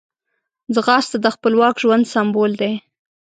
ځغاسته د خپلواک ژوند سمبول دی